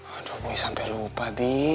aduh gue sampe lupa bi